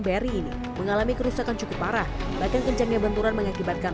beri ini mengalami kerusakan cukup parah bahkan kencangnya benturan mengakibatkan